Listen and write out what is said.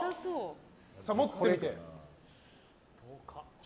持ってみて。